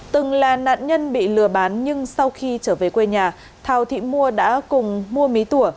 từng là nạn nhân bị lừa bán nhưng sau khi trở về quê nhà thào thị mua đã cùng mua mí tủa